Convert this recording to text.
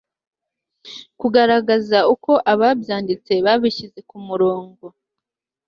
kugaragaza uko ababyanditse babishyize ku murongo